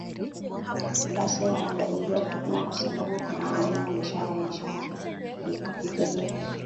basi wanajaribiwa kupima kwa sababu kuna wengine wamesha wameshaadhirika